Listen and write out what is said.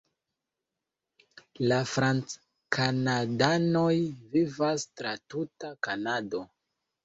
La franckanadanoj vivas tra tuta Kanado.